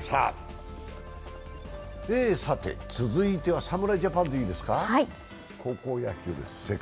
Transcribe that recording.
さて続いては侍ジャパンでいいですか、世界の高校野球です。